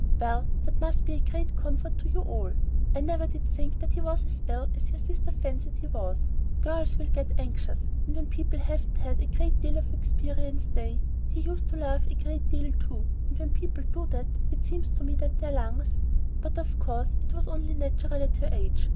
"Well, that must be a great comfort to you all. I never did think that he was as ill as your sister fancied he was. Girls will get anxious, and when people haven't had a great deal of experience they He used to laugh a great deal too, and when people do that it seems to me that their lungs But of course it was only natural at her age.